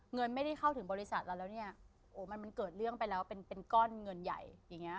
เงินไม่ได้เข้าถึงบริษัทเราแล้วเนี่ยโอ้มันมันเกิดเรื่องไปแล้วเป็นเป็นก้อนเงินใหญ่อย่างเงี้